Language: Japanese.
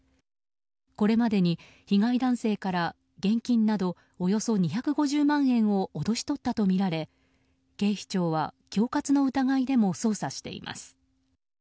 これまでに被害性から現金などおよそ２５０万円を脅し取ったとみられ警視庁は恐喝の疑いでも捜査しています。